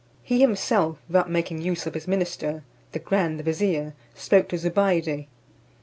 He himself, without making use of his minister, the grand vizier, spoke to Zobeide.